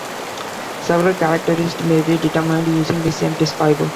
Several characteristics may be determined using the same test fiber.